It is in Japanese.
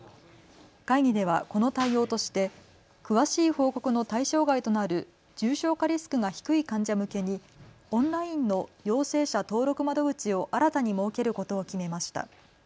会議ではこの対応として詳しい報告の対象外となる重症化リスクが低い患者向けにオンラインの陽性者登録窓口を新たに設けることを決めました。